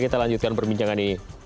kita lanjutkan perbincangan ini